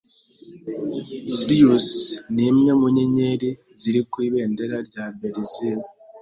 Sirius nimwe mu nyenyeri ziri ku ibendera rya Berezile.